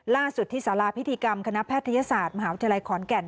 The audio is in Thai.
ล่าสุดที่สาราพิธีกรรมคณะแพทยศาสตร์มหาวิทยาลัยขอนแก่น